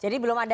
jadi belum ada